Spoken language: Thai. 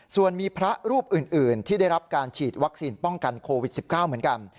ส่วนมีพระรูปอื่นที่ได้รับการฉีดวัคซีนป้องกันโควิด๑๙เหมือนกัน